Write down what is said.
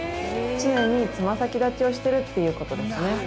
常につま先立ちをしてるっていうことですね。